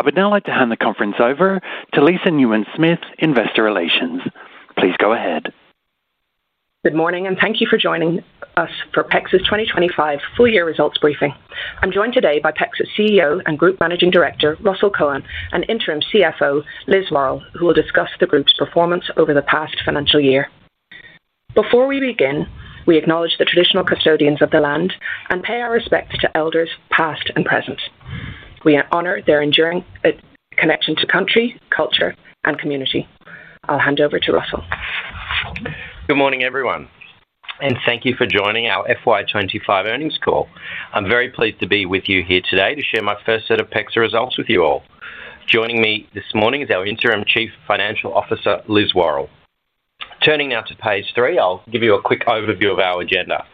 I would now like to hand the conference over to Lisa Newns-Smith, Investor Relations. Please go ahead. Good morning, and thank you for joining us for PEXA's 2025 Full-Year Results Briefing. I'm joined today by PEXA's CEO and Group Managing Director, Russell Cohen, and Interim CFO, Liz Warrell, who will discuss the group's performance over the past financial year. Before we begin, we acknowledge the traditional custodians of the land and pay our respects to elders past and present. We honor their enduring connection to country, culture, and community. I'll hand over to Russell. Good morning, everyone, and thank you for joining our FY 2025 earnings call. I'm very pleased to be with you here today to share my first set of PEXA results with you all. Joining me this morning is our Interim Chief Financial Officer, Liz Warrell. Turning now to page three, I'll give you a quick overview of our agenda.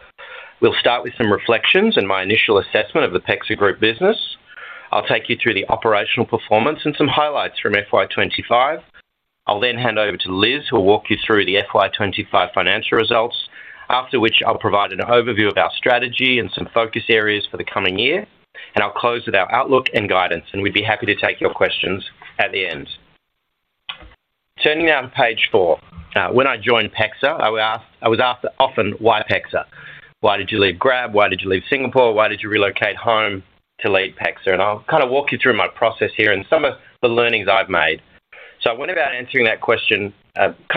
We'll start with some reflections and my initial assessment of the PEXA Group business. I'll take you through the operational performance and some highlights from FY 2025. I'll then hand over to Liz, who will walk you through the FY 2025 financial results, after which I'll provide an overview of our strategy and some focus areas for the coming year. I'll close with our outlook and guidance, and we'd be happy to take your questions at the end. Turning now to page four. When I joined PEXA, I was asked often, "Why PEXA? Why did you leave Grab? Why did you leave Singapore? Why did you relocate home to lead PEXA?" I'll walk you through my process here and some of the learnings I've made. I went about answering that question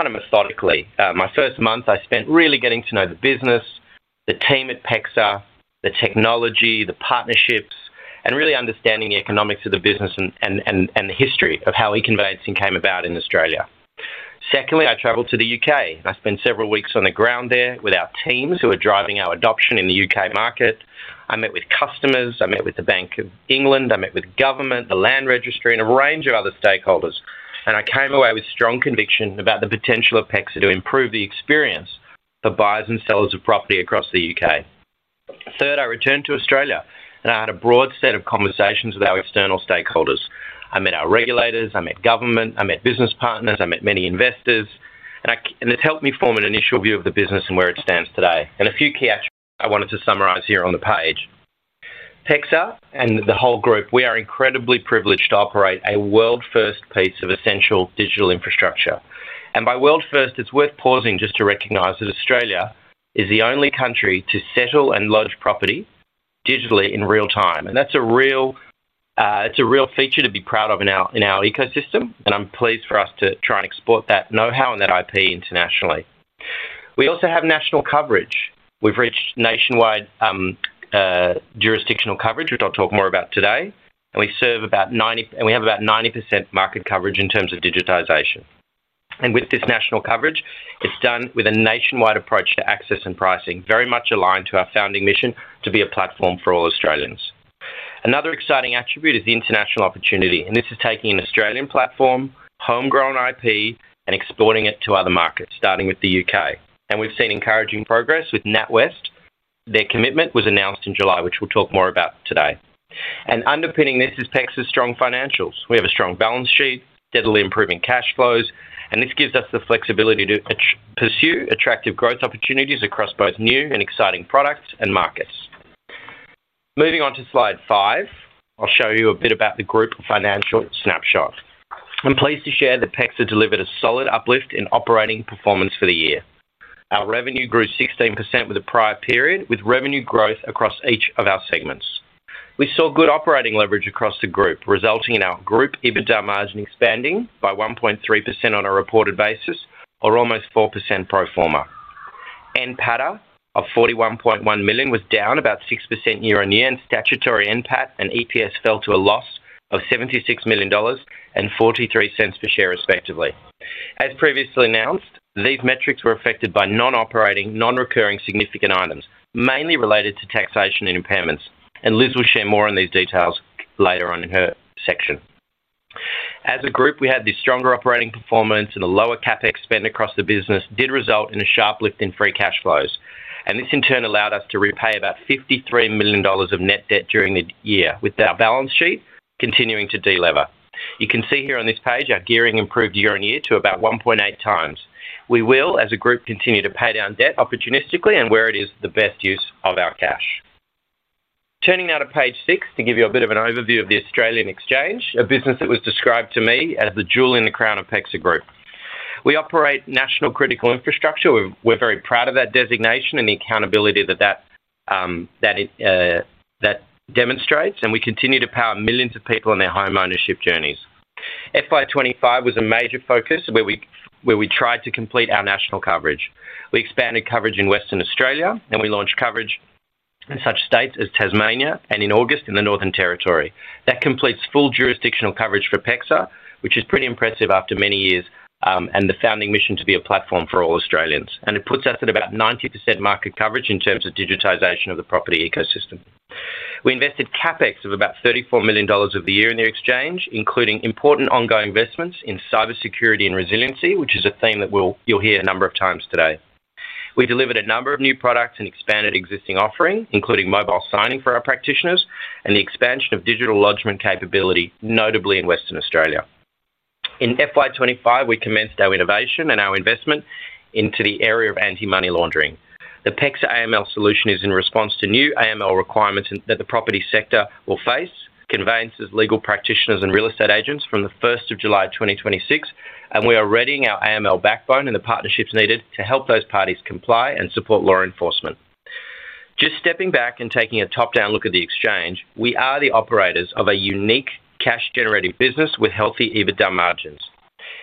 methodically. My first month, I spent really getting to know the business, the team at PEXA, the technology, the partnerships, and really understanding the economics of the business and the history of how eConverts came about in Australia. Secondly, I traveled to the U.K., and I spent several weeks on the ground there with our teams who were driving our adoption in the U.K. market. I met with customers, I met with the Bank of England, I met with government, the Land Registry, and a range of other stakeholders. I came away with strong conviction about the potential of PEXA to improve the experience for buyers and sellers of property across the U.K. Third, I returned to Australia, and I had a broad set of conversations with our external stakeholders. I met our regulators, I met government, I met business partners, I met many investors, and it helped me form an initial view of the business and where it stands today. A few key actions I wanted to summarize here on the page. PEXA and the whole group, we are incredibly privileged to operate a world-first piece of essential digital infrastructure. By world-first, it's worth pausing just to recognize that Australia is the only country to settle and load property digitally in real time. That's a real feature to be proud of in our ecosystem. I'm pleased for us to try and export that know-how and that IP internationally. We also have national coverage. We've reached nationwide jurisdictional coverage, which I'll talk more about today. We serve about 90, and we have about 90% market coverage in terms of digitization. With this national coverage, it's done with a nationwide approach to access and pricing, very much aligned to our founding mission to be a platform for all Australians. Another exciting attribute is international opportunity. This is taking an Australian platform, homegrown IP, and exporting it to other markets, starting with the U.K. We've seen encouraging progress with NatWest. Their commitment was announced in July, which we'll talk more about today. Underpinning this is PEXA's strong financials. We have a strong balance sheet, steadily improving cash flows, and this gives us the flexibility to pursue attractive growth opportunities across both new and exciting products and markets. Moving on to slide five, I'll show you a bit about the group financial snapshot. I'm pleased to share that PEXA delivered a solid uplift in operating performance for the year. Our revenue grew 16% with the prior period, with revenue growth across each of our segments. We saw good operating leverage across the group, resulting in our group EBITDA margin expanding by 1.3% on a reported basis, or almost 4% pro-forma. NPAT of $41.1 million was down about 6% year on year, and statutory NPAT and EPS fell to a loss of $76.43 per share, respectively. As previously announced, these metrics were affected by non-operating, non-recurring significant items, mainly related to taxation and impairments. Liz will share more on these details later on in her section. As a group, we had this stronger operating performance and a lower CapEx spend across the business did result in a sharp lift in free cash flows. This in turn allowed us to repay about $53 million of net debt during the year, with our balance sheet continuing to de-lever. You can see here on this page our gearing improved year on year to about 1.8x. We will, as a group, continue to pay down debt opportunistically and where it is the best use of our cash. Turning now to page six to give you a bit of an overview of the Australian Exchange, a business that was described to me as the jewel in the crown of PEXA Group. We operate national critical infrastructure. We're very proud of that designation and the accountability that that demonstrates. We continue to power millions of people on their home ownership journeys. FY 2025 was a major focus where we tried to complete our national coverage. We expanded coverage in Western Australia, and we launched coverage in such states as Tasmania and in August in the Northern Territory. That completes full jurisdictional coverage for PEXA, which is pretty impressive after many years, and the founding mission to be a platform for all Australians. It puts us at about 90% market coverage in terms of digitization of the property ecosystem. We invested CapEx of about $34 million for the year in the Exchange, including important ongoing investments in cybersecurity and resiliency, which is a theme that you'll hear a number of times today. We delivered a number of new products and expanded existing offerings, including mobile signing for our practitioners and the expansion of digital lodgement capability, notably in Western Australia. In FY25, we commenced our innovation and our investment into the area of anti-money laundering. The PEXA AML solution is in response to new AML requirements that the property sector will face, conveyancers, legal practitioners, and real estate agents from July 1st, 2026. We are readying our AML backbone and the partnerships needed to help those parties comply and support law enforcement. Just stepping back and taking a top-down look at the Exchange, we are the operators of a unique cash-generating business with healthy EBITDA margins.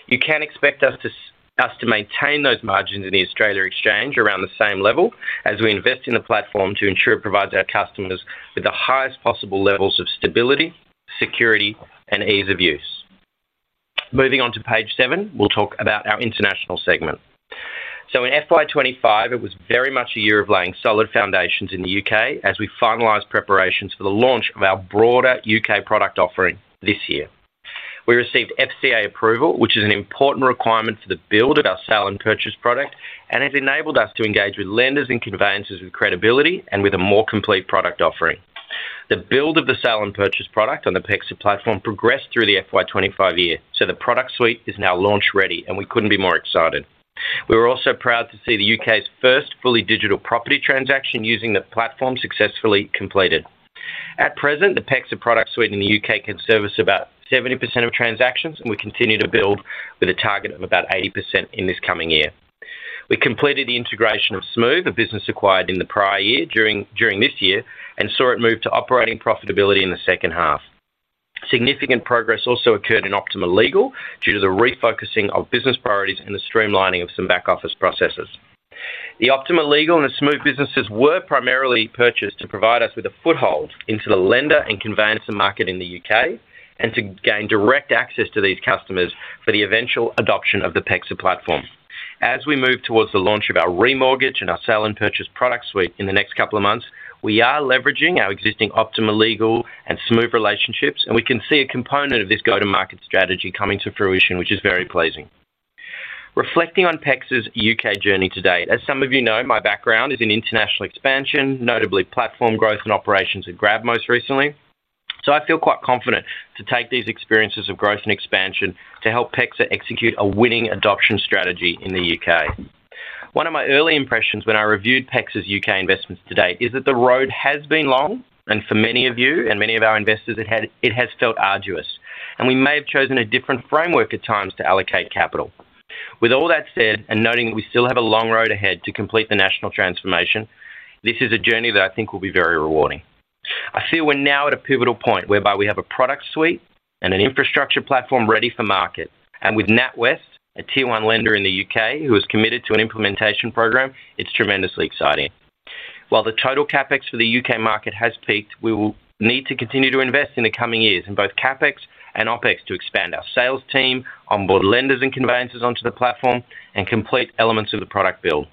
You can expect us to maintain those margins in the Australia Exchange around the same level as we invest in the platform to ensure it provides our customers with the highest possible levels of stability, security, and ease of use. Moving on to page seven, we'll talk about our International segment. In FY25, it was very much a year of laying solid foundations in the U.K. as we finalized preparations for the launch of our broader U.K. product offering this year. We received FCA approval, which is an important requirement for the build of our sale and purchase product, and it enabled us to engage with lenders and conveyancers with credibility and with a more complete product offering. The build of the sale and purchase product on the PEXA platform progressed through the FY 2025 year, so the product suite is now launch-ready, and we couldn't be more excited. We were also proud to see the U.K.'s first fully digital property transaction using the platform successfully completed. At present, the PEXA product suite in the U.K. can service about 70% of transactions, and we continue to build with a target of about 80% in this coming year. We completed the integration of Smoove, a business acquired in the prior year, during this year, and saw it move to operating profitability in the second half. Significant progress also occurred in Optima Legal due to the refocusing of business priorities and the streamlining of some back-office processes. The Optima Legal and the Smoove businesses were primarily purchased to provide us with a foothold into the lender and conveyancer market in the U.K. and to gain direct access to these customers for the eventual adoption of the PEXA platform. As we move towards the launch of our re-mortgage and our sale and purchase product suite in the next couple of months, we are leveraging our existing Optima Legal and Smoove relationships, and we can see a component of this go-to-market strategy coming to fruition, which is very pleasing. Reflecting on PEXA's U.K. journey today, as some of you know, my background is in international expansion, notably platform growth and operations at Grab most recently. I feel quite confident to take these experiences of growth and expansion to help PEXA execute a winning adoption strategy in the U.K. One of my early impressions when I reviewed PEXA's U.K. investments to date is that the road has been long, and for many of you and many of our investors, it has felt arduous. We may have chosen a different framework at times to allocate capital. With all that said, and noting that we still have a long road ahead to complete the national transformation, this is a journey that I think will be very rewarding. I feel we're now at a pivotal point whereby we have a product suite and an infrastructure platform ready for market. With NatWest, a Tier 1 lender in the U.K. who has committed to an implementation program, it's tremendously exciting. While the total CapEx for the U.K. market has peaked, we will need to continue to invest in the coming years in both CapEx and OpEx to expand our sales team, onboard lenders and conveyancers onto the platform, and complete elements of the product build.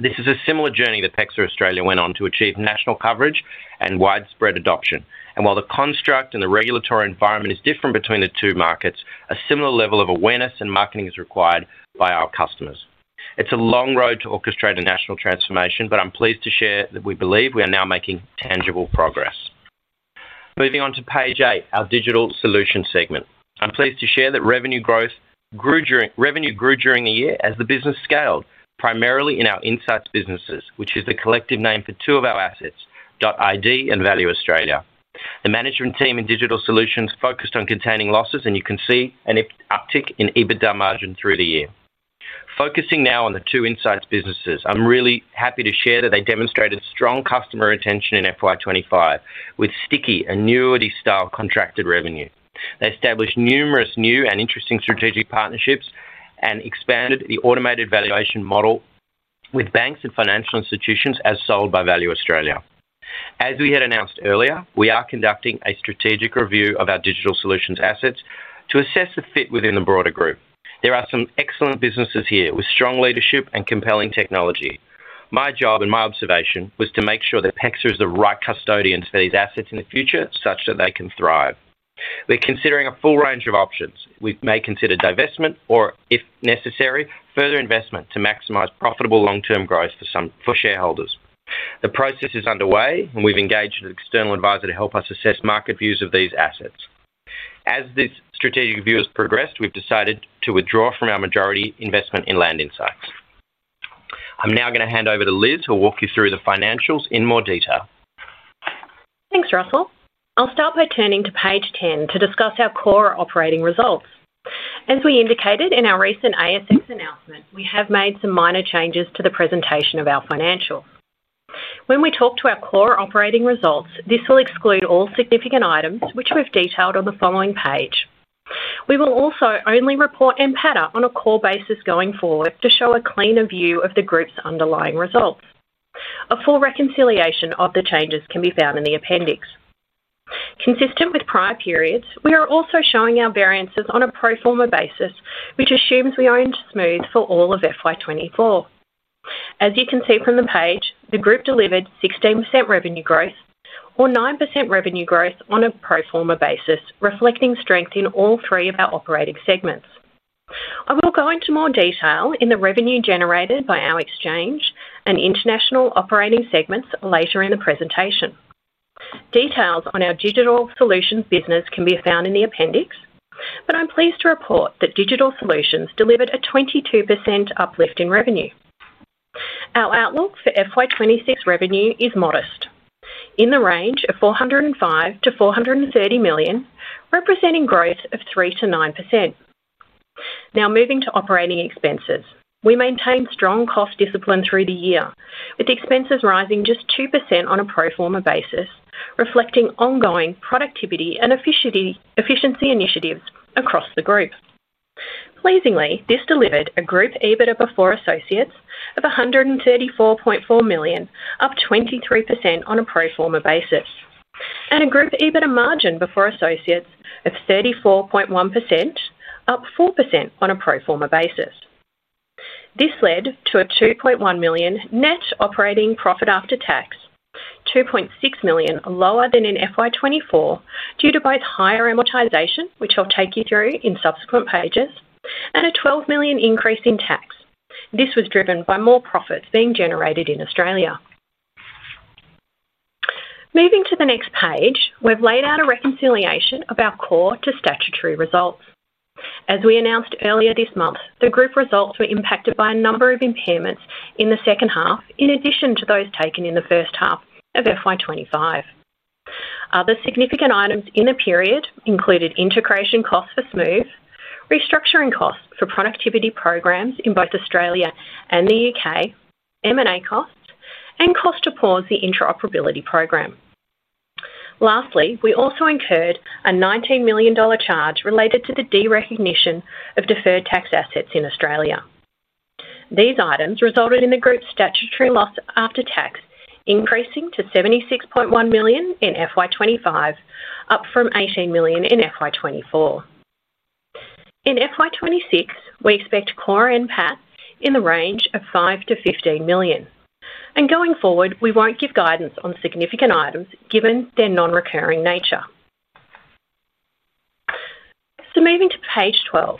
This is a similar journey that PEXA Australia went on to achieve national coverage and widespread adoption. While the construct and the regulatory environment is different between the two markets, a similar level of awareness and marketing is required by our customers. It's a long road to orchestrate a national transformation, but I'm pleased to share that we believe we are now making tangible progress. Moving on to page eight, our Digital Solutions segment. I'm pleased to share that revenue growth grew during the year as the business scaled, primarily in our insights businesses, which is the collective name for two of our assets, .id and Value Australia. The management team in Digital Solutions focused on containing losses, and you can see an uptick in EBITDA margin through the year. Focusing now on the two insights businesses, I'm really happy to share that they demonstrated strong customer retention in FY 2025 with sticky annuity-style contracted revenue. They established numerous new and interesting strategic partnerships and expanded the automated valuation model with banks and financial institutions as sold by Value Australia. As we had announced earlier, we are conducting a strategic review of our Digital Solutions assets to assess the fit within the broader group. There are some excellent businesses here with strong leadership and compelling technology. My job and my observation was to make sure that PEXA is the right custodian for these assets in the future such that they can thrive. We're considering a full range of options. We may consider divestment or, if necessary, further investment to maximize profitable long-term growth for shareholders. The process is underway, and we've engaged an external advisor to help us assess market views of these assets. As this strategic review has progressed, we've decided to withdraw from our majority investment in Land Insights. I'm now going to hand over to Liz, who will walk you through the financials in more detail. Thanks, Russell. I'll start by turning to page 10 to discuss our core operating results. As we indicated in our recent ASX announcement, we have made some minor changes to the presentation of our financials. When we talk to our core operating results, this will exclude all significant items, which we've detailed on the following page. We will also only report end pattern on a core basis going forward to show a cleaner view of the group's underlying results. A full reconciliation of the changes can be found in the appendix. Consistent with prior periods, we are also showing our variances on a pro-forma basis, which assumes we own Smoove for all of FY 2024. As you can see from the page, the group delivered 16% revenue growth or 9% revenue growth on a pro-forma basis, reflecting strength in all three of our operating segments. I will go into more detail in the revenue generated by our Exchange and International operating segments later in the presentation. Details on our Digital Solutions business can be found in the appendix, but I'm pleased to report that Digital Solutions delivered a 22% uplift in revenue. Our outlook for FY 2026 revenue is modest, in the range of $405 million-$430 million, representing growth of 3%-9%. Now, moving to operating expenses, we maintained strong cost discipline through the year, with expenses rising just 2% on a pro-forma basis, reflecting ongoing productivity and efficiency initiatives across the group. Pleasingly, this delivered a group EBITDA before associates of $134.4 million, up 23% on a pro-forma basis, and a group EBITDA margin before associates of 34.1%, up 4% on a pro-forma basis. This led to a $2.1 million net operating profit after tax, $2.6 million lower than in FY 2024 due to both higher amortization, which I'll take you through in subsequent pages, and a $12 million increase in tax. This was driven by more profits being generated in Australia. Moving to the next page, we've laid out a reconciliation of our core to statutory results. As we announced earlier this month, the group results were impacted by a number of impairments in the second half, in addition to those taken in the first half of FY 2025. Other significant items in a period included integration costs for Smoove, restructuring costs for productivity programs in both Australia and the U.K., M&A costs, and cost to pause the interoperability program. Lastly, we also incurred a $19 million charge related to the derecognition of deferred tax assets in Australia. These items resulted in the group's statutory loss after tax increasing to $76.1 million in FY 2025, up from $18 million in FY 2024. In FY 2026, we expect core end pattern in the range of $5 million-$15 million. Going forward, we won't give guidance on significant items given their non-recurring nature. Moving to page 12,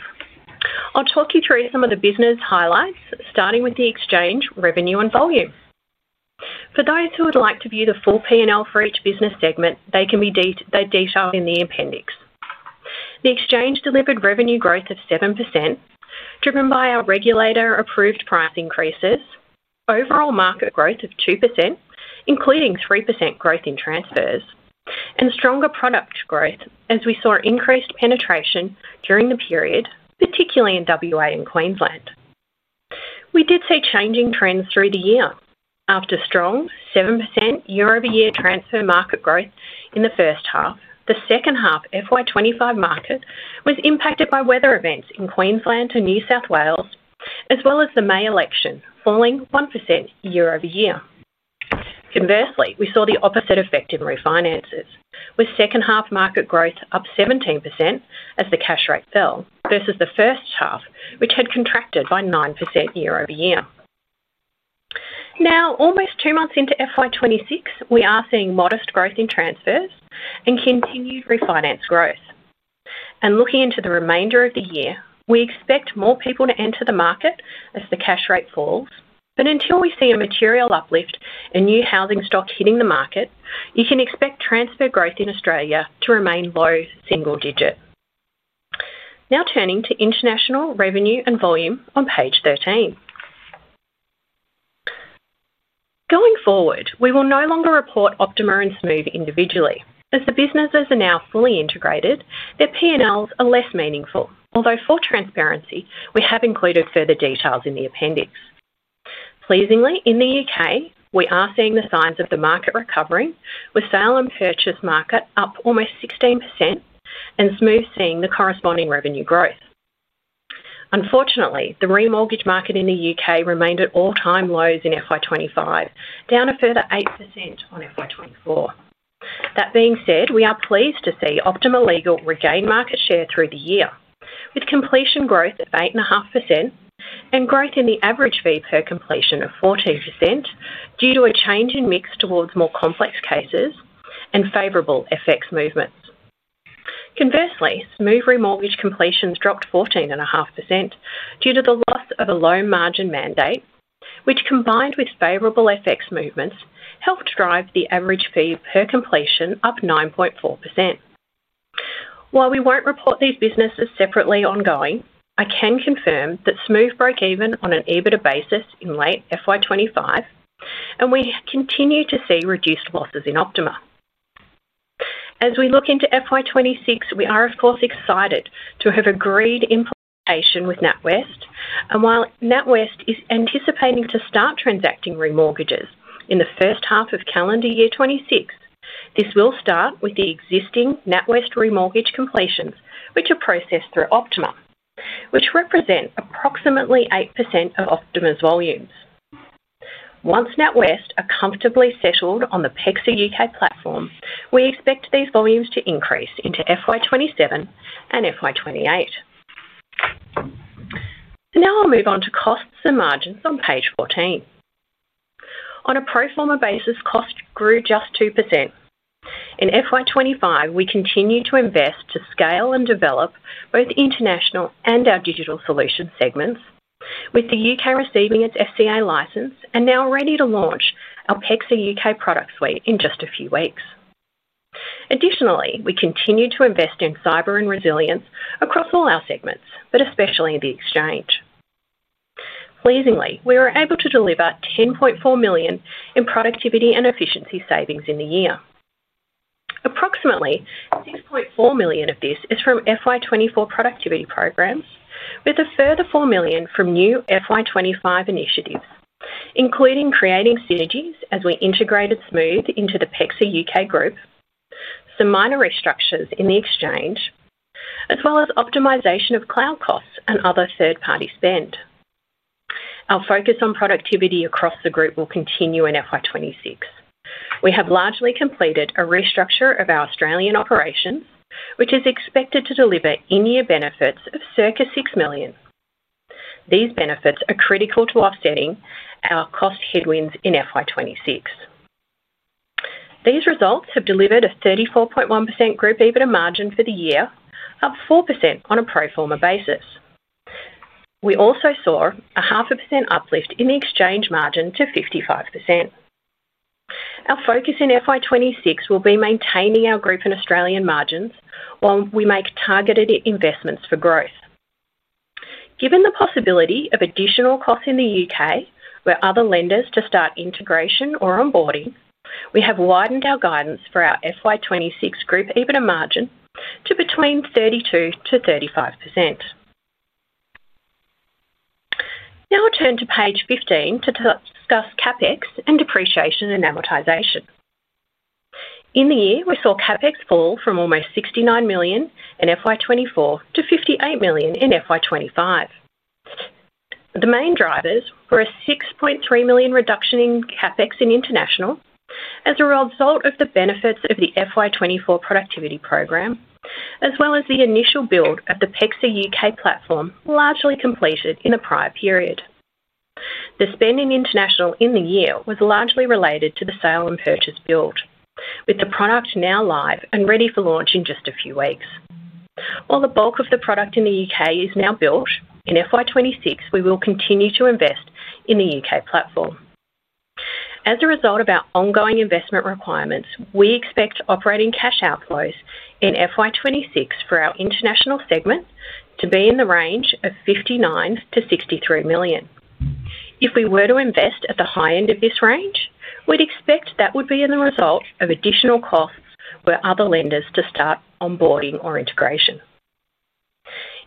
I'll talk you through some of the business highlights, starting with the Exchange revenue and volume. For those who would like to view the full P&L for each business segment, they can be detailed in the appendix. The Exchange delivered revenue growth of 7%, driven by our regulator-approved price increases, overall market growth of 2%, including 3% growth in transfers, and stronger product growth as we saw increased penetration during the period, particularly in WA and Queensland. We did see changing trends through the year. After strong 7% year-over-year transfer market growth in the first half, the second half FY 2025 market was impacted by weather events in Queensland and New South Wales, as well as the May election, falling 1% year-over-year. Conversely, we saw the opposite effect in refinances, with second half market growth up 17% as the cash rate fell versus the first half, which had contracted by 9% year-over-year. Now, almost two months into FY 2026, we are seeing modest growth in transfers and continued refinance growth. Looking into the remainder of the year, we expect more people to enter the market as the cash rate falls. Until we see a material uplift in new housing stock hitting the market, you can expect transfer growth in Australia to remain low single digit. Turning to international revenue and volume on page 13, going forward, we will no longer report Optima and Smoove individually. As the businesses are now fully integrated, their P&Ls are less meaningful, although for transparency, we have included further details in the appendix. Pleasingly, in the U.K., we are seeing the signs of the market recovering, with sale and purchase market up almost 16% and Smoove seeing the corresponding revenue growth. Unfortunately, the re-mortgage market in the U.K. remained at all-time lows in FY 2025, down a further 8% on FY24. That being said, we are pleased to see Optima Legal regain market share through the year, with completion growth of 8.5% and growth in the average fee per completion of 14% due to a change in mix towards more complex cases and favorable FX movements. Conversely, Smoove re-mortgage completions dropped 14.5% due to the loss of a loan margin mandate, which combined with favorable FX movements helped drive the average fee per completion up 9.4%. While we won't report these businesses separately ongoing, I can confirm that Smoove broke even on an EBITDA basis in late FY 2025, and we continue to see reduced losses in Optima. As we look into FY 2026, we are, of course, excited to have agreed implementation with NatWest. While NatWest is anticipating to start transacting re-mortgages in the first half of calendar year 2026, this will start with the existing NatWest re-mortgage completions, which are processed through Optima, which represent approximately 8% of Optima's volumes. Once NatWest are comfortably settled on the PEXA U.K. platform, we expect these volumes to increase into FY 2027 and FY 2028. Now I'll move on to costs and margins on page 14. On a pro-forma basis, costs grew just 2%. In FY 2025, we continue to invest to scale and develop both International and our Digital Solutions segments, with the U.K. receiving its FCA approval and now ready to launch our PEXA U.K. product suite in just a few weeks. Additionally, we continue to invest in cyber and resilience across all our segments, especially in the Exchange. Pleasingly, we were able to deliver $10.4 million in productivity and efficiency savings in the year. Approximately $6.4 million of this is from FY 2024 productivity programs, with a further $4 million from new FY 2025 initiatives, including creating synergies as we integrated Smoove into the PEXA U.K. group, some minor restructures in the Exchange, as well as optimization of cloud costs and other third-party spend. Our focus on productivity across the group will continue in FY 2026. We have largely completed a restructure of our Australian operations, which is expected to deliver in-year benefits of circa $6 million. These benefits are critical to offsetting our cost headwinds in FY 2026. These results have delivered a 34.1% group EBITDA margin for the year, up 4% on a pro-forma basis. We also saw a 0.5% uplift in the Exchange margin to 55%. Our focus in FY 2026 will be maintaining our group and Australian margins while we make targeted investments for growth. Given the possibility of additional costs in the U.K., where other lenders start integration or onboarding, we have widened our guidance for our FY 2026 group EBITDA margin to between 32%-35%. Now I'll turn to page 15 to discuss CapEx and depreciation and amortization. In the year, we saw CapEx fall from almost $69 million in FY 2024 to $58 million in FY 2025. The main drivers were a $6.3 million reduction in CapEx in international as a result of the benefits of the FY 2024 productivity program, as well as the initial build of the PEXA U.K. platform largely completed in a prior period. The spend in international in the year was largely related to the sale and purchase build, with the product now live and ready for launch in just a few weeks. While the bulk of the product in the U.K. is now built, in FY 2026, we will continue to invest in the U.K. platform. As a result of our ongoing investment requirements, we expect operating cash outflows in FY 2026 for our international segment to be in the range of $59 million-$63 million. If we were to invest at the high end of this range, we'd expect that would be in the result of additional costs where other lenders to start onboarding or integration.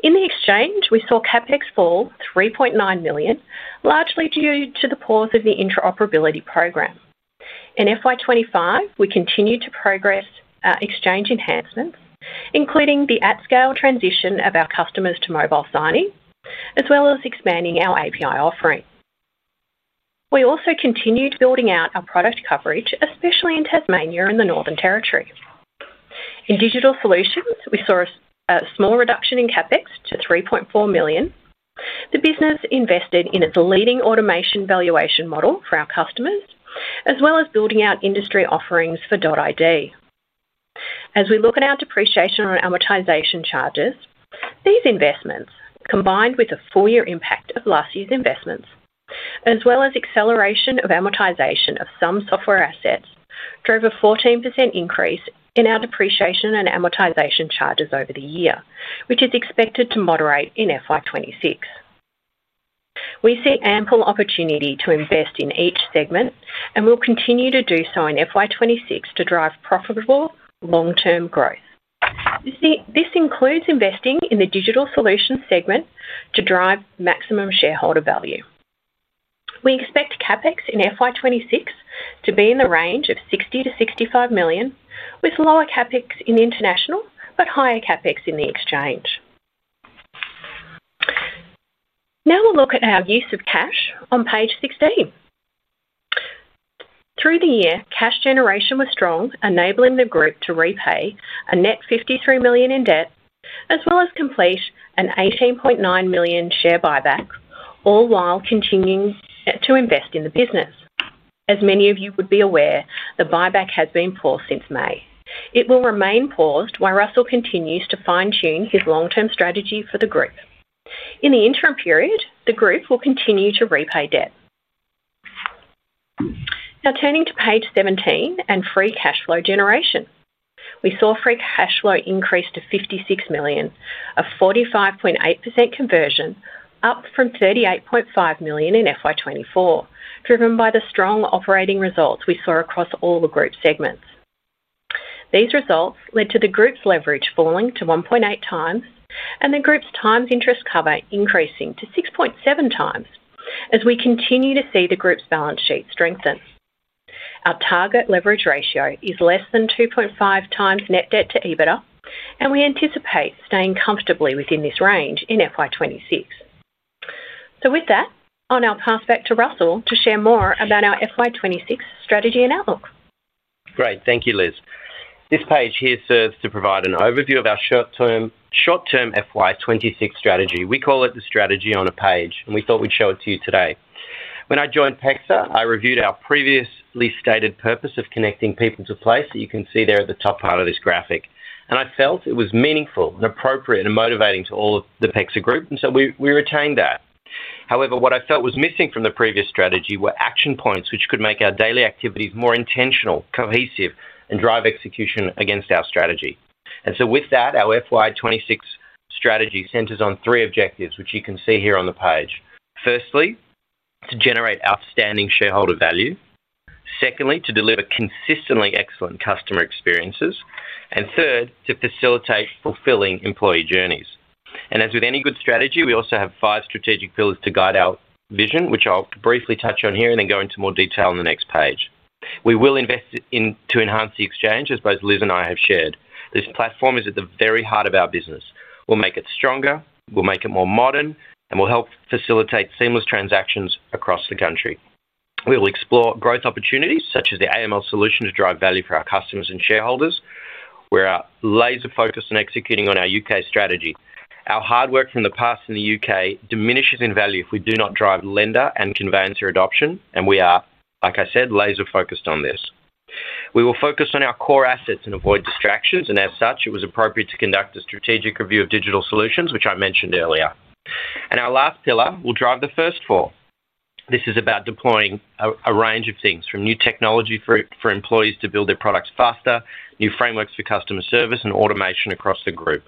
In the exchange, we saw CapEx fall $3.9 million, largely due to the pause of the interoperability program. In FY 2025, we continued to progress exchange enhancements, including the at-scale transition of our customers to mobile signing, as well as expanding our API offering. We also continued building out our product coverage, especially in Tasmania and the Northern Territory. In Digital Solutions, we saw a small reduction in CapEx to $3.4 million. The business invested in its leading automation valuation model for our customers, as well as building out industry offerings for .id. As we look at our depreciation and amortization charges, these investments, combined with a four-year impact of last year's investments, as well as acceleration of amortization of some software assets, drove a 14% increase in our depreciation and amortization charges over the year, which is expected to moderate in FY 2026. We see ample opportunity to invest in each segment and will continue to do so in FY 2026 to drive profitable long-term growth. This includes investing in the Digital Solutions segment to drive maximum shareholder value. We expect CapEx in FY 2026 to be in the range of $60 million-$65 million, with lower CapEx in international but higher CapEx in the exchange. Now we'll look at our use of cash on page 16. Through the year, cash generation was strong, enabling the group to repay a net $53 million in debt, as well as complete an $18.9 million share buyback, all while continuing to invest in the business. As many of you would be aware, the buyback has been paused since May. It will remain paused while Russell continues to fine-tune his long-term strategy for the group. In the interim period, the group will continue to repay debt. Now turning to page 17 and free cash flow generation, we saw free cash flow increase to $56 million, a 45.8% conversion, up from $38.5 million in FY 2024, driven by the strong operating results we saw across all the group segments. These results led to the group's leverage falling to 1.8x and the group's times interest cover increasing to 6.7x, as we continue to see the group's balance sheet strengthen. Our target leverage ratio is less than 2.5x net debt to EBITDA, and we anticipate staying comfortably within this range in FY 2026. With that, I'll now pass back to Russell to share more about our FY 2026 strategy and outlook. Great, thank you, Liz. This page here serves to provide an overview of our short-term FY 2026 strategy. We call it the strategy on a page, and we thought we'd show it to you today. When I joined PEXA, I reviewed our previously stated purpose of connecting people to place that you can see there at the top part of this graphic. I felt it was meaningful and appropriate and motivating to all of the PEXA Group, and so we retained that. However, what I felt was missing from the previous strategy were action points which could make our daily activities more intentional, cohesive, and drive execution against our strategy. With that, our FY 2026 strategy centers on three objectives, which you can see here on the page. Firstly, to generate outstanding shareholder value. Secondly, to deliver consistently excellent customer experiences. Third, to facilitate fulfilling employee journeys. As with any good strategy, we also have five strategic pillars to guide our vision, which I'll briefly touch on here and then go into more detail on the next page. We will invest to enhance the Exchange, as both Liz and I have shared. This platform is at the very heart of our business. We'll make it stronger, we'll make it more modern, and we'll help facilitate seamless transactions across the country. We will explore growth opportunities, such as the AML solution to drive value for our customers and shareholders. We are laser-focused on executing on our U.K. strategy. Our hard work from the past in the U.K. diminishes in value if we do not drive lender and conveyancer adoption, and we are, like I said, laser-focused on this. We will focus on our core assets and avoid distractions, and as such, it was appropriate to conduct a strategic review of Digital Solutions, which I mentioned earlier. Our last pillar will drive the first four. This is about deploying a range of things, from new technology for employees to build their products faster, new frameworks for customer service, and automation across the group.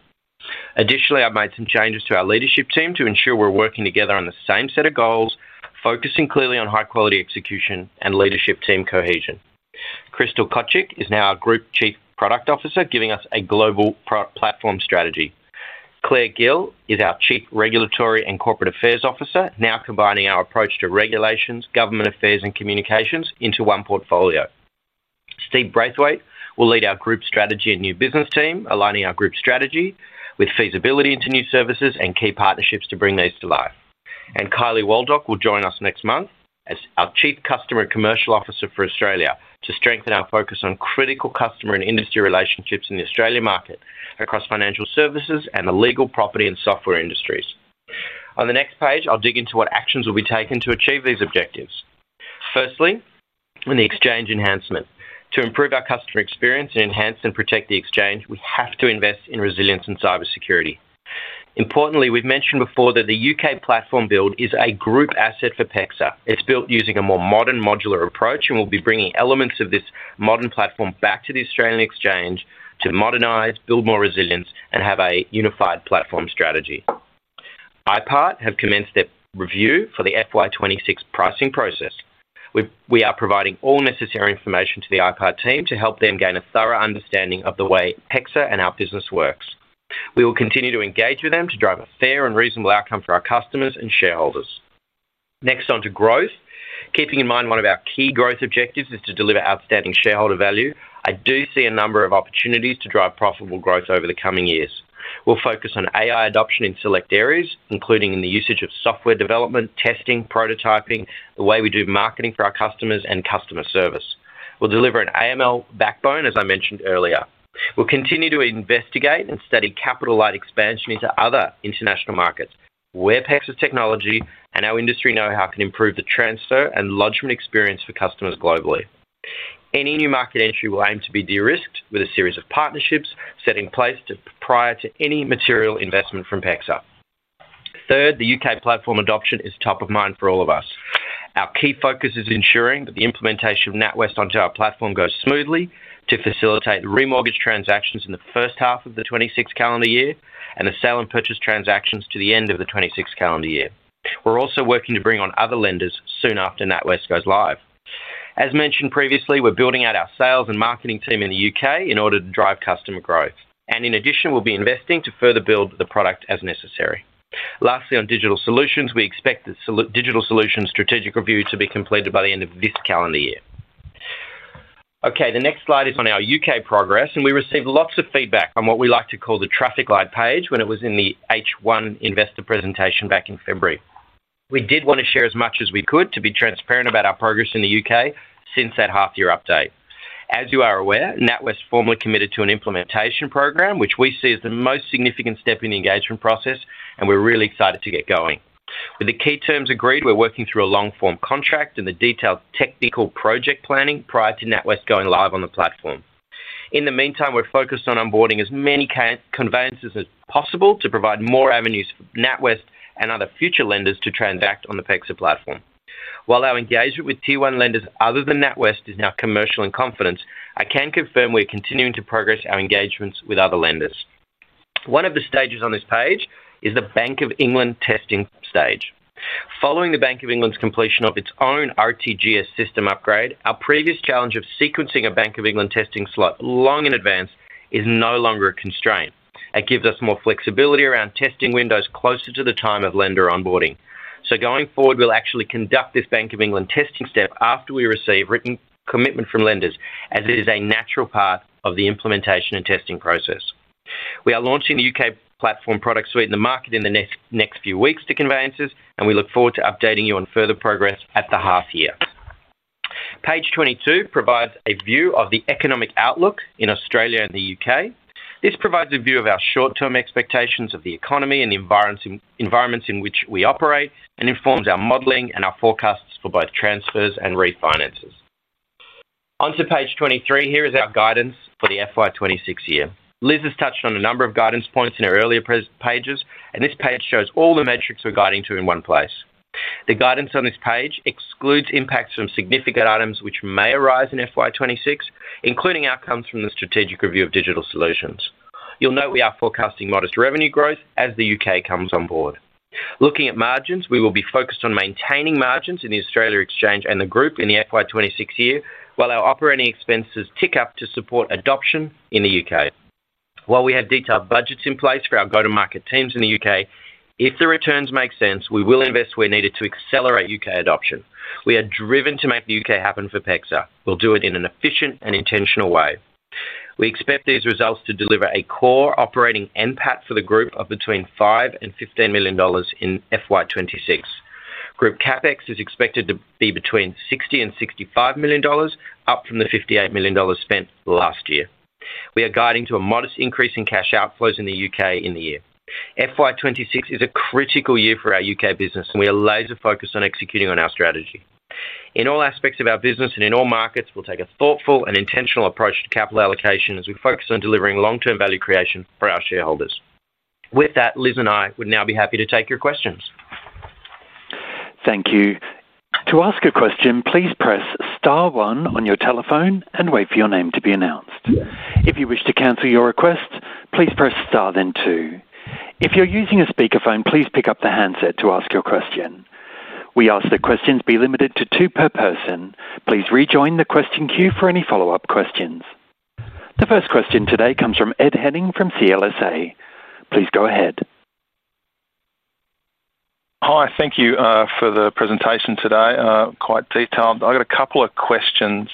Additionally, I made some changes to our leadership team to ensure we're working together on the same set of goals, focusing clearly on high-quality execution and leadership team cohesion. Krystle Kocik is now our Group Chief Product Officer, giving us a global platform strategy. Clare Gill is our Chief Regulatory and Corporate Affairs Officer, now combining our approach to regulations, government affairs, and communications into one portfolio. Steve Braithwaite will lead our group strategy and new business team, aligning our group strategy with feasibility into new services and key partnerships to bring these to life. Kylie Waldock will join us next month as our Chief Customer and Commercial Officer for Australia, to strengthen our focus on critical customer and industry relationships in the Australian market, across financial services and the legal, property, and software industries. On the next page, I'll dig into what actions will be taken to achieve these objectives. Firstly, in the Exchange enhancement, to improve our customer experience and enhance and protect the Exchange, we have to invest in resilience and cybersecurity. Importantly, we've mentioned before that the U.K. platform build is a group asset for PEXA. It's built using a more modern modular approach, and we'll be bringing elements of this modern platform back to the Australian Exchange to modernize, build more resilience, and have a unified platform strategy. I PART have commenced their review for the FY2026 pricing process. We are providing all necessary information to the IPART team to help them gain a thorough understanding of the way PEXA and our business works. We will continue to engage with them to drive a fair and reasonable outcome for our customers and shareholders. Next, on to growth. Keeping in mind one of our key growth objectives is to deliver outstanding shareholder value, I do see a number of opportunities to drive profitable growth over the coming years. We'll focus on AI adoption in select areas, including in the usage of software development, testing, prototyping, the way we do marketing for our customers, and customer service. We'll deliver an AML backbone, as I mentioned earlier. We'll continue to investigate and study capital-light expansion into other international markets, where PEXA's technology and our industry know-how can improve the transfer and lodgement experience for customers globally. Any new market entry will aim to be de-risked with a series of partnerships set in place prior to any material investment from PEXA. Third, the U.K. platform adoption is top of mind for all of us. Our key focus is ensuring that the implementation of NatWest onto our platform goes smoothly to facilitate re-mortgage transactions in the first half of the 2026 calendar year and the sale and purchase transactions to the end of the 2026 calendar year. We're also working to bring on other lenders soon after NatWest goes live. As mentioned previously, we're building out our sales and marketing team in the U.K. in order to drive customer growth. In addition, we'll be investing to further build the product as necessary. Lastly, on Digital Solutions, we expect the Digital Solutions strategic review to be completed by the end of this calendar year. The next slide is on our U.K. progress, and we received lots of feedback on what we like to call the traffic light page when it was in the H1 investor presentation back in February. We did want to share as much as we could to be transparent about our progress in the U.K. since that half-year update. As you are aware, NatWest formally committed to an implementation program, which we see as the most significant step in the engagement process, and we're really excited to get going. With the key terms agreed, we're working through a long-form contract and the detailed technical project planning prior to NatWest going live on the platform. In the meantime, we're focused on onboarding as many conveyancers as possible to provide more avenues for NatWest and other future lenders to transact on the PEXA platform. While our engagement with tier-one lenders other than NatWest is now commercial and confidence, I can confirm we're continuing to progress our engagements with other lenders. One of the stages on this page is the Bank of England testing stage. Following the Bank of England's completion of its own RTGS system upgrade, our previous challenge of sequencing a Bank of England testing slot long in advance is no longer a constraint. It gives us more flexibility around testing windows closer to the time of lender onboarding. Going forward, we'll actually conduct this Bank of England testing step after we receive written commitment from lenders, as it is a natural part of the implementation and testing process. We are launching the U.K. platform product suite in the market in the next few weeks to conveyancers, and we look forward to updating you on further progress at the half-year. Page 22 provides a view of the economic outlook in Australia and the U.K. This provides a view of our short-term expectations of the economy and the environments in which we operate and informs our modeling and our forecasts for both transfers and refinances. Onto page 23, here is our guidance for the FY 2026 year. Liz has touched on a number of guidance points in her earlier pages, and this page shows all the metrics we're guiding to in one place. The guidance on this page excludes impacts from significant items which may arise in FY 2026, including outcomes from the strategic review of Digital Solutions. You'll note we are forecasting modest revenue growth as the U.K. comes on board. Looking at margins, we will be focused on maintaining margins in the Australia Exchange and the group in the FY 2026 year while our operating expenses tick up to support adoption in the U.K. While we have detailed budgets in place for our go-to-market teams in the U.K., if the returns make sense, we will invest where needed to accelerate U.K. adoption. We are driven to make the U.K. happen for PEXA. We'll do it in an efficient and intentional way. We expect these results to deliver a core operating end pattern for the group of between $5 million and $15 million in FY 2026. Group CapEx is expected to be between $60 million and $65 million, up from the $58 million spent last year. We are guiding to a modest increase in cash outflows in the U.K. in the year. FY 2026 is a critical year for our U.K. business, and we are laser-focused on executing on our strategy. In all aspects of our business and in all markets, we'll take a thoughtful and intentional approach to capital allocation as we focus on delivering long-term value creation for our shareholders. With that, Liz and I would now be happy to take your questions. Thank you. To ask a question, please press star one on your telephone and wait for your name to be announced. If you wish to cancel your request, please press star then two. If you're using a speakerphone, please pick up the handset to ask your question. We ask that questions be limited to two per person. Please rejoin the question queue for any follow-up questions. The first question today comes from Ed Henning from CLSA. Please go ahead. Hi, thank you for the presentation today. Quite detailed. I've got a couple of questions.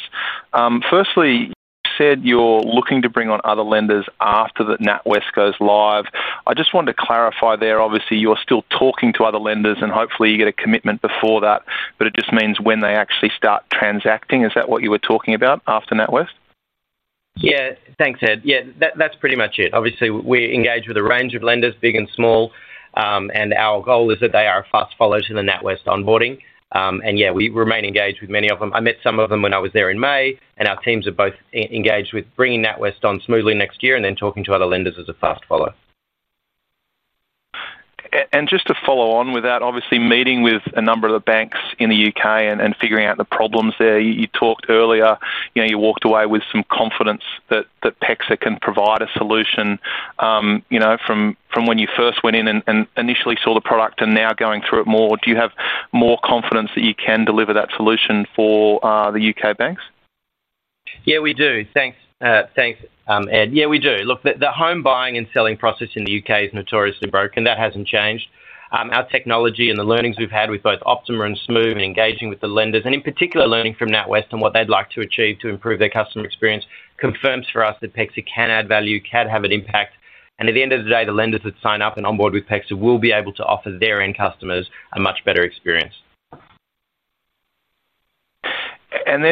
Firstly, you said you're looking to bring on other lenders after NatWest goes live. I just wanted to clarify there, obviously you're still talking to other lenders and hopefully you get a commitment before that, but it just means when they actually start transacting. Is that what you were talking about after NatWest? Yeah, thanks Ed. Yeah, that's pretty much it. Obviously, we engage with a range of lenders, big and small, and our goal is that they are a fast follower to the NatWest onboarding. Yeah, we remain engaged with many of them. I met some of them when I was there in May, and our teams are both engaged with bringing NatWest on Smoove next year and then talking to other lenders as a fast follower. Just to follow on with that, obviously meeting with a number of the banks in the U.K. and figuring out the problems there, you talked earlier, you walked away with some confidence that PEXA can provide a solution. From when you first went in and initially saw the product and now going through it more, do you have more confidence that you can deliver that solution for the U.K. banks? Yes, we do. Thanks, Ed. Yes, we do. Look, the home buying and selling process in the U.K. is notoriously broken. That hasn't changed. Our technology and the learnings we've had with both Optima and Smoove and engaging with the lenders, and in particular learning from NatWest and what they'd like to achieve to improve their customer experience, confirms for us that PEXA can add value, can have an impact, and at the end of the day, the lenders that sign up and onboard with PEXA will be able to offer their end customers a much better experience.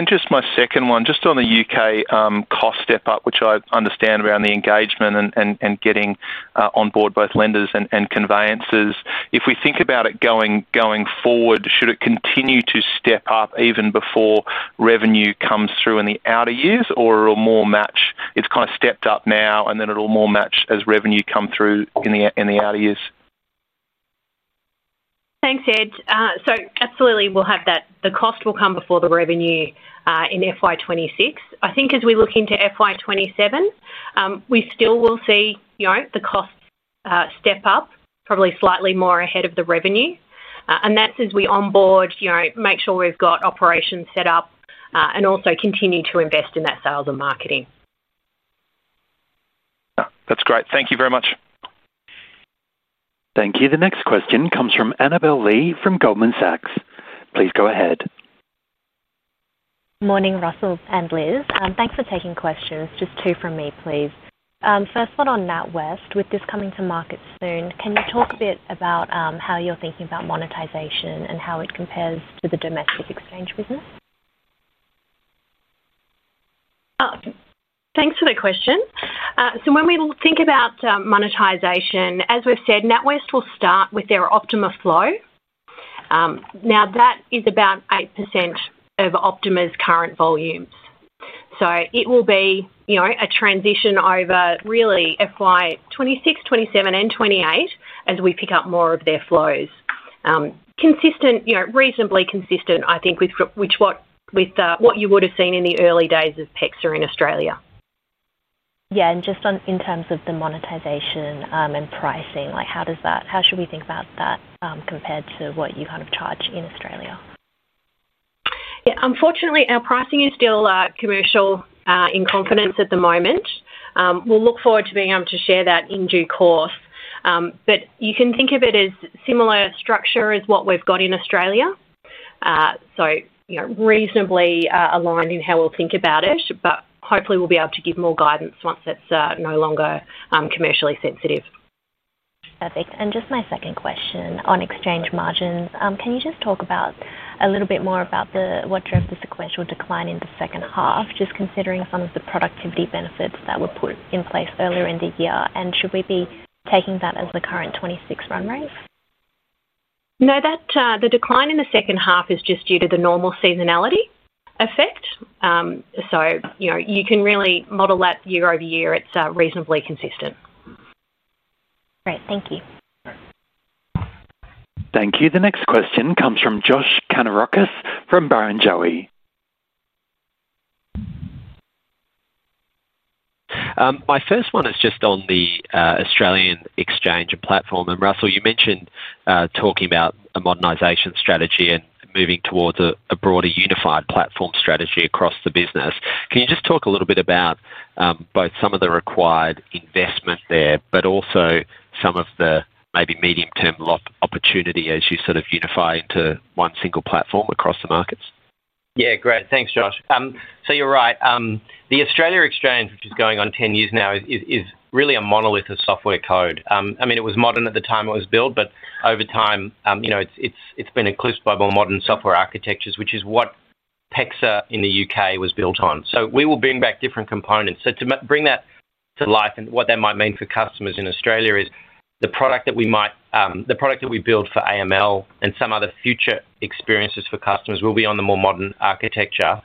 Just my second one, on the U.K. cost step up, which I understand around the engagement and getting onboard both lenders and conveyancers. If we think about it going forward, should it continue to step up even before revenue comes through in the outer years, or it'll more match, it's kind of stepped up now and then it'll more match as revenue comes through in the outer years? Thanks, Ed. Absolutely, we'll have that. The cost will come before the revenue in FY 2026. I think as we look into FY 2027, we still will see the costs step up, probably slightly more ahead of the revenue. That's as we onboard, make sure we've got operations set up, and also continue to invest in that sales and marketing. That's great. Thank you very much. Thank you. The next question comes from Ann Lee from Goldman Sachs. Please go ahead. Morning, Russell and Liz. Thanks for taking questions. Just two from me, please. First one on NatWest, with this coming to market soon, can you talk a bit about how you're thinking about monetization and how it compares to the domestic Exchange business? Thanks for the question. When we think about monetization, as we've said, NatWest will start with their Optima flow. That is about 8% over Optima's current volumes. It will be a transition over really FY 2026, FY 2027, and FY 2028 as we pick up more of their flows. Consistent, reasonably consistent, I think, with what you would have seen in the early days of PEXA in Australia. Yeah, and just in terms of the monetization and pricing, how should we think about that compared to what you kind of charge in Australia? Unfortunately, our pricing is still commercial in confidence at the moment. We'll look forward to being able to share that in due course. You can think of it as a similar structure as what we've got in Australia. It's reasonably aligned in how we'll think about it, and hopefully we'll be able to give more guidance once it's no longer commercially sensitive. Perfect. Just my second question on Exchange margins. Can you talk a little bit more about what drove the sequential decline in the second half, just considering some of the productivity benefits that were put in place earlier in the year, and should we be taking that as the current 2026 run rate? No, the decline in the second half is just due to the normal seasonality effect. You can really model that year-over-year. It's reasonably consistent. Great, thank you. Thank you. The next question comes from Josh Kannourakis from Barrenjoey. My first one is just on the Australian exchange and platform. Russell, you mentioned talking about a modernization strategy and moving towards a broader unified platform strategy across the business. Can you just talk a little bit about both some of the required investment there, but also some of the maybe medium-term opportunity as you sort of unify into one single platform across the markets? Yeah, great, thanks Josh. You're right. The Australian Exchange, which is going on 10 years now, is really a monolith of software code. It was modern at the time it was built, but over time, it's been a cliffbone of all modern software architectures, which is what PEXA in the U.K. was built on. We will bring back different components. To bring that to life and what that might mean for customers in Australia is the product that we build for AML and some other future experiences for customers will be on the more modern architecture.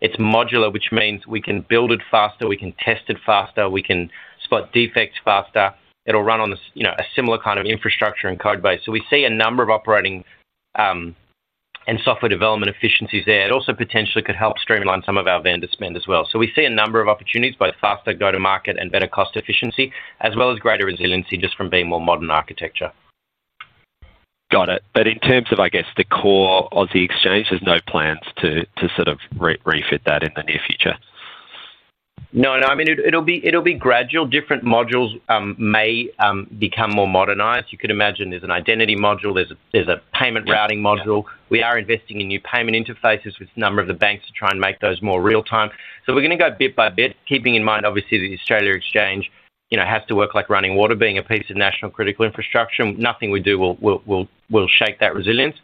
It's modular, which means we can build it faster, we can test it faster, we can spot defects faster. It'll run on a similar kind of infrastructure and code base. We see a number of operating and software development efficiencies there. It also potentially could help streamline some of our vendor spend as well. We see a number of opportunities, both faster go-to-market and better cost efficiency, as well as greater resiliency just from being more modern architecture. Got it. In terms of, I guess, the core Aussie Exchange, there's no plans to sort of refit that in the near future? No, no, it'll be gradual. Different modules may become more modernized. You could imagine there's an identity module, there's a payment routing module. We are investing in new payment interfaces with a number of the banks to try and make those more real-time. We're going to go bit by bit, keeping in mind, obviously, the Australian exchange has to work like running water, being a piece of national critical infrastructure. Nothing we do will shake that resilience.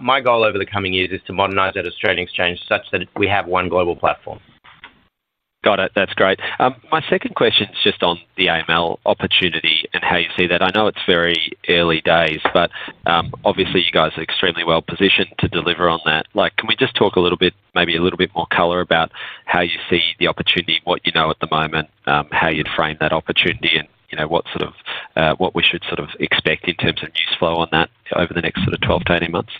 My goal over the coming years is to modernize that Australian exchange such that we have one global platform. Got it, that's great. My second question is just on the AML opportunity and how you see that. I know it's very early days, but obviously you guys are extremely well positioned to deliver on that. Can we just talk a little bit, maybe a little bit more color about how you see the opportunity, what you know at the moment, how you'd frame that opportunity, and what we should expect in terms of news flow on that over the next 12-18 months?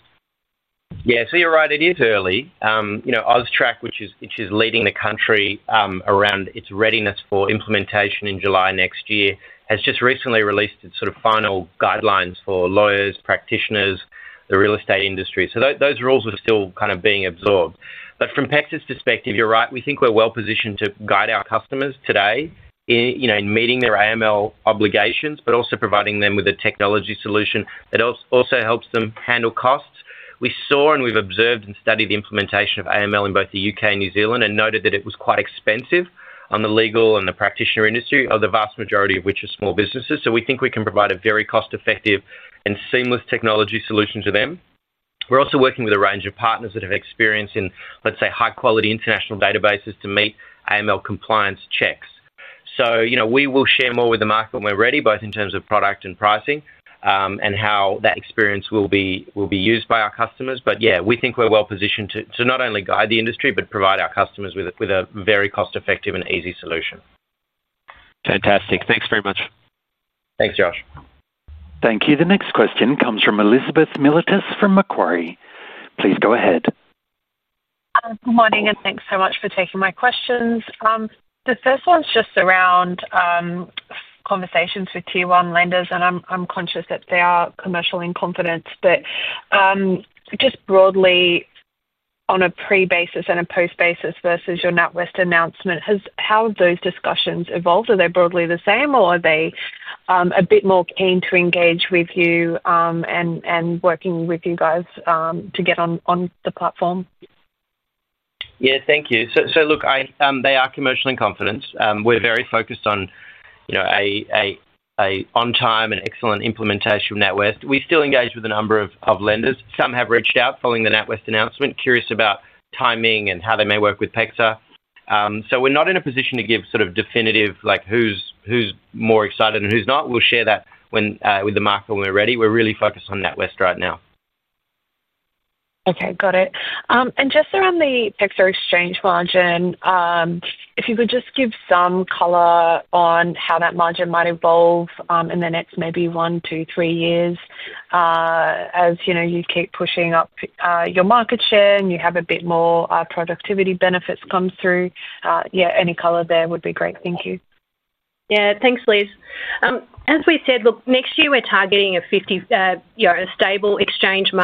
Yeah, you're right, it is early. OZtrack, which is leading the country around its readiness for implementation in July 2025, has just recently released its final guidelines for lawyers, practitioners, the real estate industry. Those rules are still being absorbed. From PEXA's perspective, you're right, we think we're well positioned to guide our customers today in meeting their AML obligations, but also providing them with a technology solution that helps them handle costs. We saw and have observed and studied the implementation of AML in both the U.K. and New Zealand and noted that it was quite expensive on the legal and practitioner industry, the vast majority of which are small businesses. We think we can provide a very cost-effective and seamless technology solution to them. We're also working with a range of partners that have experience in high-quality international databases to meet AML compliance checks. We will share more with the market when we're ready, both in terms of product and pricing and how that experience will be used by our customers. We think we're well positioned to not only guide the industry, but provide our customers with a very cost-effective and easy solution. Fantastic, thanks very much. Thanks, Josh. Thank you. The next question comes from Elizabeth Militis from Macquarie. Please go ahead. Good morning, and thanks so much for taking my questions. The first one's just around conversations with tier-one lenders, and I'm conscious that they are commercial in confidence. Just broadly, on a pre-basis and a post-basis versus your NatWest announcement, how have those discussions evolved? Are they broadly the same, or are they a bit more keen to engage with you and working with you guys to get on the platform? Thank you. They are commercial in confidence. We're very focused on an on-time and excellent implementation of NatWest. We still engage with a number of lenders. Some have reached out following the NatWest announcement, curious about timing and how they may work with PEXA. We're not in a position to give sort of definitive, like who's more excited and who's not. We'll share that with the market when we're ready. We're really focused on NatWest right now. Okay, got it. Just around the PEXA Exchange margin, if you could just give some color on how that margin might evolve in the next maybe one, two, three years, as you know, you keep pushing up your market share and you have a bit more productivity benefits come through. Any color there would be great, thank you. Yeah, thanks, Liz. As we said, next year we're targeting a 50, you know, a stable Exchange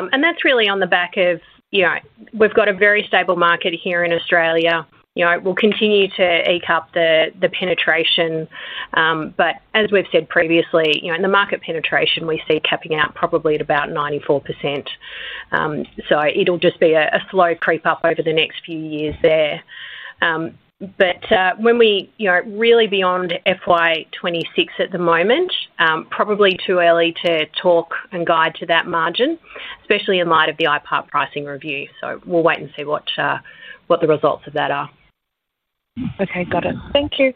margin. That's really on the back of, you know, we've got a very stable market here in Australia. You know, we'll continue to eke up the penetration. As we've said previously, in the market penetration, we see capping out probably at about 94%. It'll just be a slow creep up over the next few years there. When we, you know, really beyond FY 2026 at the moment, probably too early to talk and guide to that margin, especially in light of the IPART pricing review. We'll wait and see what the results of that are. Okay, got it. Thank you.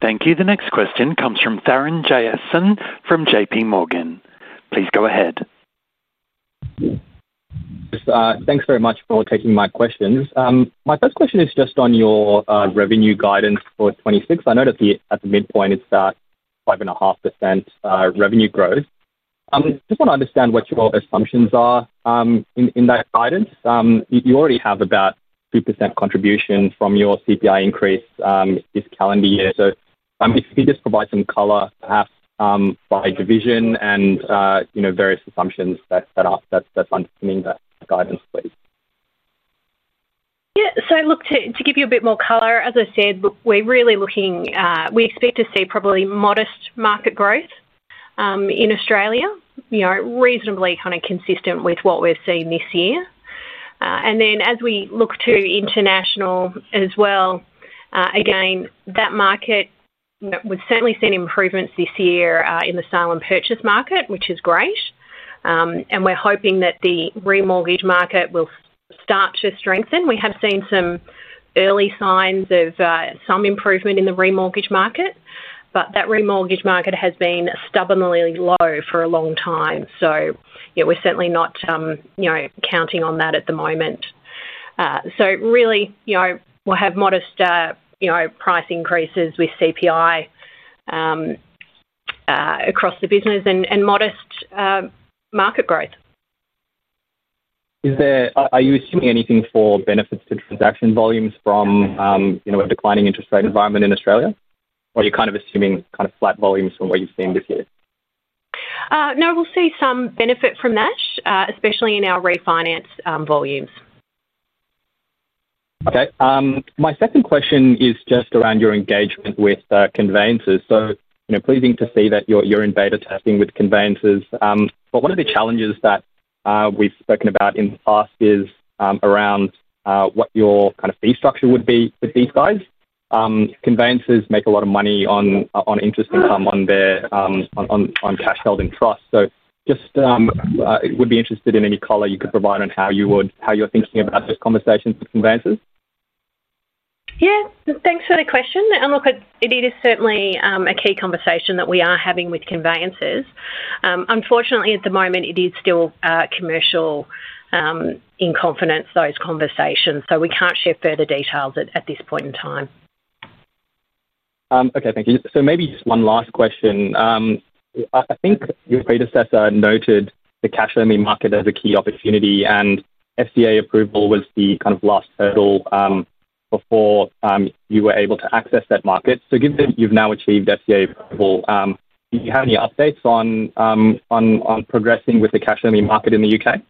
Thank you. The next question comes from Tharan Jeyathasan from JPMorgan. Please go ahead. Thanks very much for taking my questions. My first question is just on your revenue guidance for 2026. I know that at the midpoint it's 5.5% revenue growth. I just want to understand what your assumptions are in that guidance. You already have about 2% contribution from your CPI increase this calendar year. If you could just provide some color, perhaps by division and, you know, various assumptions that are set up, that's underpinning that guidance, please. Yeah, to give you a bit more color, as I said, we're really looking, we expect to see probably modest market growth in Australia, you know, reasonably kind of consistent with what we've seen this year. As we look to International as well, again, that market, you know, we've certainly seen improvements this year in the sale and purchase market, which is great. We're hoping that the re-mortgage market will start to strengthen. We have seen some early signs of some improvement in the re-mortgage market, but that re-mortgage market has been stubbornly low for a long time. We're certainly not, you know, counting on that at the moment. Really, you know, we'll have modest, you know, price increases with CPI across the business and modest market growth. Are you assuming anything for benefits to transaction volumes from, you know, a declining interest rate environment in Australia? Or are you kind of assuming flat volumes from what you've seen this year? No, we'll see some benefit from that, especially in our refinance volumes. Okay. My second question is just around your engagement with conveyancers. Pleasing to see that you're in beta testing with conveyancers. One of the challenges that we've spoken about in the past is around what your kind of fee structure would be with these guys. Conveyancers make a lot of money on interest income on their cash held in trust. Just would be interested in any color you could provide on how you would, how you're thinking about the conversations with conveyancers. Thank you for the question. It is certainly a key conversation that we are having with conveyancers. Unfortunately, at the moment, it is still commercial in confidence, those conversations. We can't share further details at this point in time. Okay, thank you. Maybe just one last question. I think your predecessor noted the cash-only market as a key opportunity, and FCA approval was the kind of last hurdle before you were able to access that market. Given that you've now achieved FCA approval, do you have any updates on progressing with the cash-only market in the U.K.?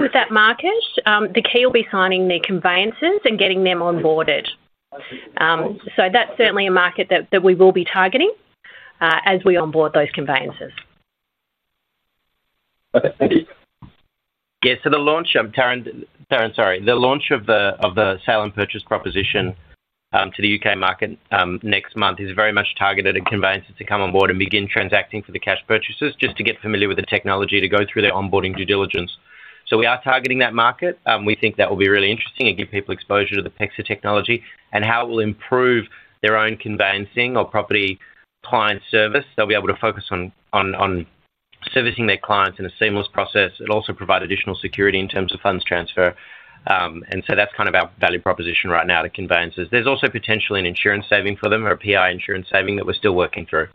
With that market, the key will be signing the conveyancers and getting them onboarded. That's certainly a market that we will be targeting as we onboard those conveyancers. The launch of the sale and purchase product to the U.K. market next month is very much targeted at conveyancers to come onboard and begin transacting for the cash purchases, just to get familiar with the technology, to go through their onboarding due diligence. We are targeting that market. We think that will be really interesting and give people exposure to the PEXA technology and how it will improve their own conveyancing or property client service. They'll be able to focus on servicing their clients in a seamless process and also provide additional security in terms of funds transfer. That's kind of our value proposition right now to conveyancers. There's also potentially an insurance saving for them or a PI insurance saving that we're still working through.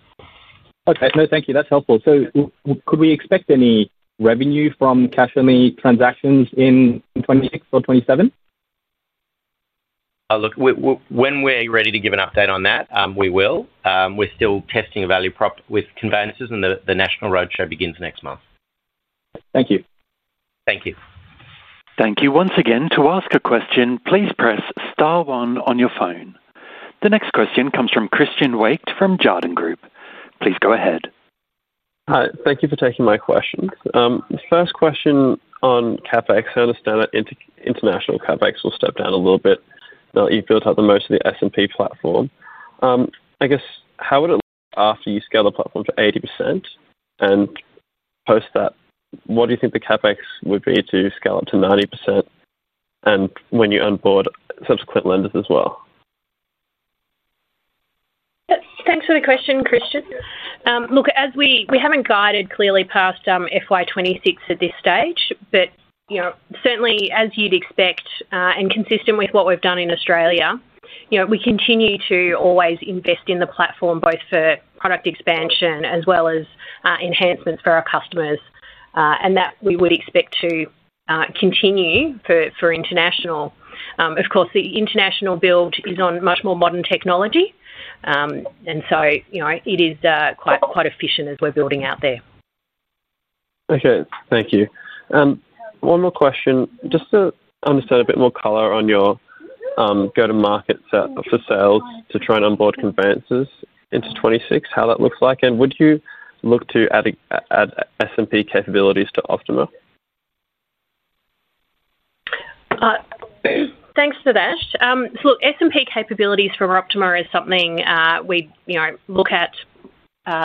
Thank you. That's helpful. Could we expect any revenue from cash-only transactions in 2026 or 2027? Look, when we're ready to give an update on that, we will. We're still testing a value prop with conveyancers, and the national roadshow begins next month. Thank you. Thank you. Thank you. Once again, to ask a question, please press star one on your phone. The next question comes from Christian Waked from Jarden Group. Please go ahead. Hi, thank you for taking my questions. The first question on CapEx, I understand that international CapEx will step down a little bit now that you've built up most of the sale and purchase product platform. I guess, how would it look after you scale the platform to 80%? Post that, what do you think the CapEx would be to scale up to 90%? When you onboard subsequent lenders as well? Thanks for the question, Christian. As we haven't guided clearly past FY20 26 at this stage, certainly as you'd expect and consistent with what we've done in Australia, we continue to always invest in the platform both for product expansion as well as enhancements for our customers. We would expect that to continue for International. Of course, the International build is on much more modern technology, so it is quite efficient as we're building out there. Okay, thank you. One more question, just to understand a bit more color on your go-to-market setup for sales to try and onboard conveyancers into 2026, how that looks like. Would you look to add sale and purchase product capabilities to Optima? Thanks, Sadash. S&P capabilities from Optima is something we look at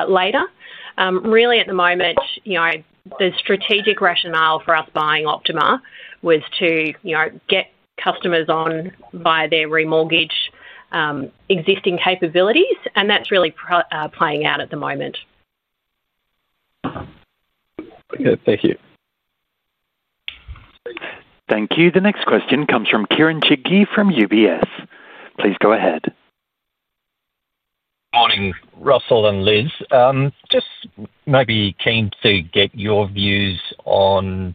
later. Really, at the moment, the strategic rationale for us buying Optima was to get customers on by their re-mortgage existing capabilities. That's really playing out at the moment. Thank you. Thank you. The next question comes from Kieren Chidgey from UBS. Please go ahead. Morning, Russell and Liz. Just maybe keen to get your views on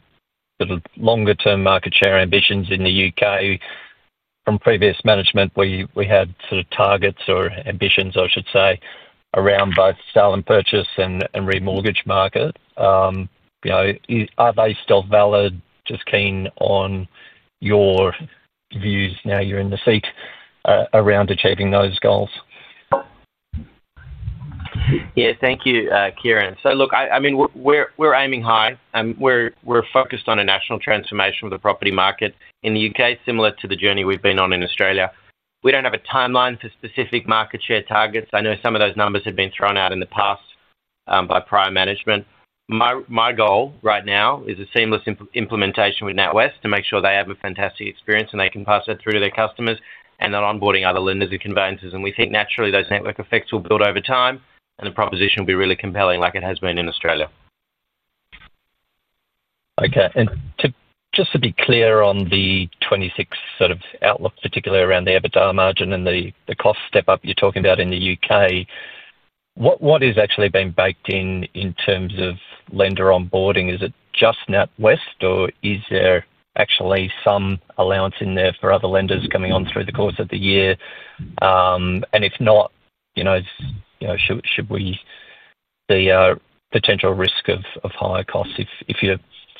sort of longer-term market share ambitions in the U.K. From previous management, we had sort of targets or ambitions, I should say, around both sale and purchase and re-mortgage market. You know, are they still valid? Just keen on your views now you're in the seat around achieving those goals. Thank you, Kieren. We're aiming high. We're focused on a national transformation of the property market in the U.K., similar to the journey we've been on in Australia. We don't have a timeline for specific market share targets. I know some of those numbers have been thrown out in the past by prior management. My goal right now is a seamless implementation with NatWest to make sure they have a fantastic experience and they can pass that through to their customers and onboarding other lenders and conveyancers. We think naturally those network effects will build over time and the proposition will be really compelling like it has been in Australia. Okay, just to be clear on the 2026 sort of outlook, particularly around the EBITDA margin and the cost step up you're talking about in the U.K., what is actually being baked in in terms of lender onboarding? Is it just NatWest or is there actually some allowance in there for other lenders coming on through the course of the year? If not, should we see a potential risk of higher costs if you're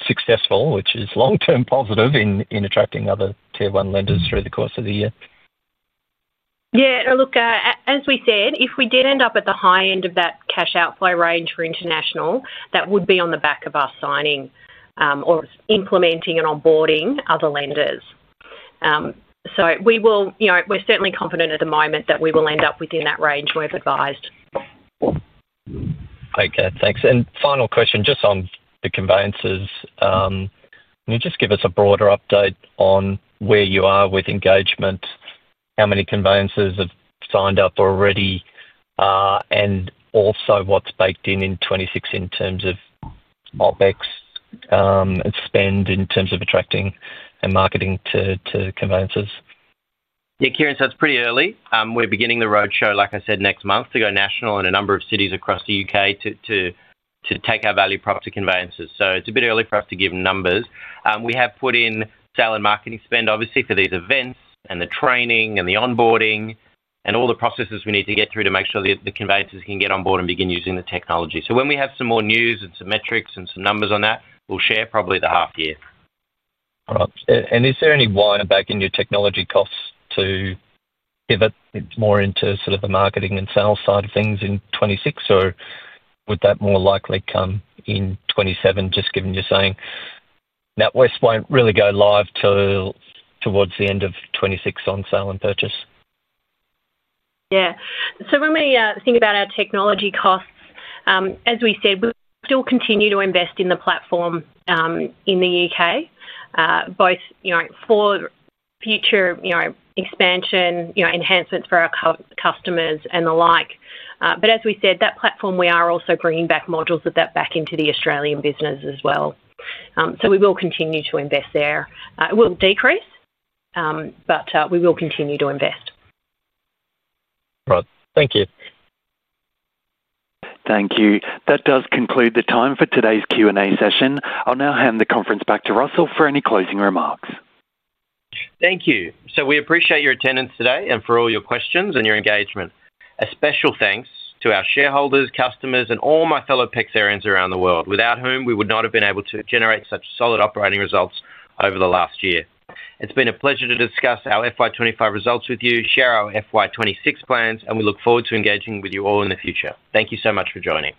successful, which is long-term positive in attracting other tier-one lenders through the course of the year? Yeah, look, as we said, if we did end up at the high end of that cash outflow range for International, that would be on the back of us signing or implementing and onboarding other lenders. We are certainly confident at the moment that we will end up within that range we've advised. Okay, thanks. Final question, just on the conveyancers, can you give us a broader update on where you are with engagement, how many conveyancers have signed up already, and also what's baked in in 2026 in terms of MOBX spend in terms of attracting and marketing to conveyancers? Yeah, Kieran, it's pretty early. We're beginning the roadshow, like I said, next month to go national in a number of cities across the U.K. to take our value prop to conveyancers. It's a bit early for us to give numbers. We have put in sale and marketing spend, obviously, for these events and the training and the onboarding and all the processes we need to get through to make sure that the conveyancers can get onboard and begin using the technology. When we have some more news and some metrics and some numbers on that, we'll share probably the half-year. Is there any wire back into technology costs to pivot more into sort of the marketing and sales side of things in 2026, or would that more likely come in 2027, just given you're saying NatWest won't really go live till towards the end of 2026 on sale and purchase? Yeah, so when we think about our technology costs, as we said, we still continue to invest in the platform in the U.K., both for future expansion, enhancements for our customers and the like. As we said, that platform, we are also bringing back modules of that back into the Australian business as well. We will continue to invest there. It will decrease, but we will continue to invest. Right, thank you. Thank you. That does conclude the time for today's Q&A session. I'll now hand the conference back to Russell for any closing remarks. Thank you. We appreciate your attendance today and for all your questions and your engagement. A special thanks to our shareholders, customers, and all my fellow PEXA-ians around the world, without whom we would not have been able to generate such solid operating results over the last year. It's been a pleasure to discuss our FY 2025 results with you, share our FY 2026 plans, and we look forward to engaging with you all in the future. Thank you so much for joining.